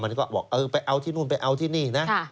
มันก็บอกไปเอาที่นู่นไปเอาที่นี่นะ